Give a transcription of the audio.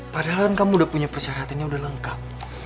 padahal kan kamu udah punya persyaratannya udah lengkap